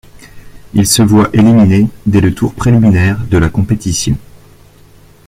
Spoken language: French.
Il se voit éliminé dès le tour préliminaire de la compétition.